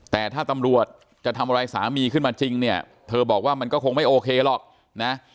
แต่ถ้าตำรวจจะทำอะไรสามีขึ้นมาจริงเนี่ยเธอบอกว่ามันก็คงไม่โอเคหรอกนะ